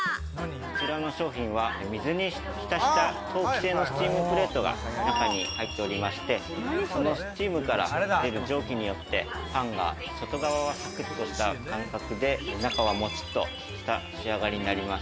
こちらの商品は水に浸した陶器製のスチームプレートが中に入っており、そのスチームから出る蒸気によってパンが外側はサクっと、中はモチっとした仕上がりになります。